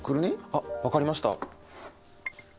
あっ分かりました。